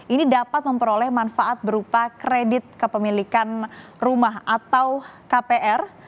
ini dapat memperoleh manfaat berupa kredit kepemilikan rumah atau kpr